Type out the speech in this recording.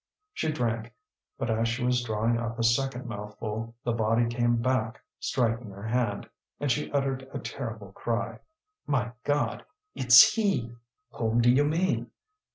She drank, but as she was drawing up a second mouthful the body came back, striking her hand. And she uttered a terrible cry. "My God! it's he!" "Whom do you mean?"